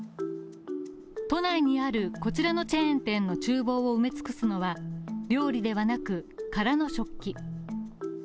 都内にあるこちらのチェーン店のちゅう房を埋め尽くすのは料理ではなく、空の食器。